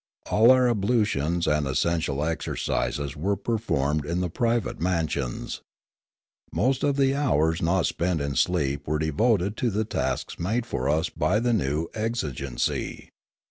All our ablutions and essential i58 Limanora exercises were performed in the private mansions. Most of the hours not spent in sleep were devoted to the tasks made for us by the new exigency.